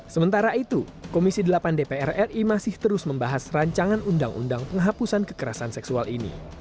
sementara itu komisi delapan dpr ri masih terus membahas rancangan undang undang penghapusan kekerasan seksual ini